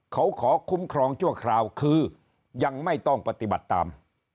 เขาขอคุ้มครองชั่วคราวคือยังไม่ต้องปฏิบัติตาม